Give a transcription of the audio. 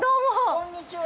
こんにちは。